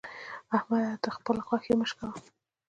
احمده! د خبل غوښې مه شکوه.